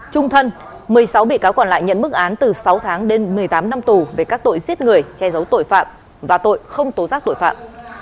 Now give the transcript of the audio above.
trung thân một mươi sáu bị cáo còn lại nhận mức án từ sáu tháng đến một mươi tám năm tù về các tội giết người che giấu tội phạm và tội không tố giác tội phạm